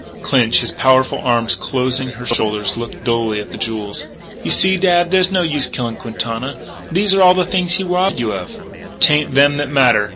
Clinch, his powerful arm closing her shoulders, looked dully at the jewels. "You see, dad, there's no use killing Quintana. These are the things he robbed you of." "'Tain't them that matter....